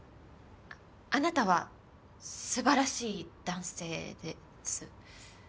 あなたは素晴らしい男性です。